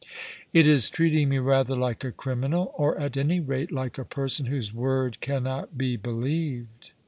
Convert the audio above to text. " It is treating me rather like a criminal ; or, at any rate, like a person whose word cannot be believed."